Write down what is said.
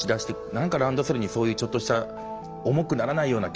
何かランドセルにそういうちょっとした重くならないような機能。